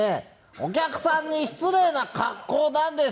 お客さんに失礼な格好なんですからね。